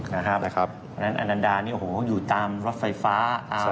นะครับอนันดานี่โห่อยู่กินตามรถไฟฟ้า